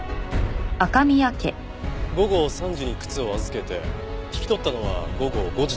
午後３時に靴を預けて引き取ったのは午後５時で間違いないですね？